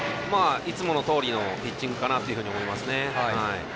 いつものとおりのピッチングかなと思いますね。